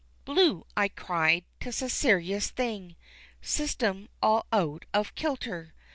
Blue! I cried, 'tis a serious thing, System all out of kilter!